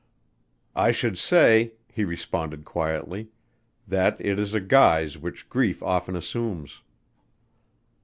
"I should say," he responded quietly, "that it is a guise which grief often assumes."